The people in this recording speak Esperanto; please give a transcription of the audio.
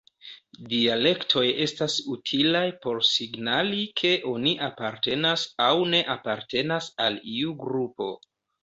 Dialektoj estas utilaj por signali ke oni apartenas aŭ ne apartenas al iu grupo.